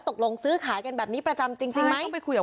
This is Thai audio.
ตกลงซื้อขายกันแบบนี้ประจำจริงไหมต้องไปคุยกับ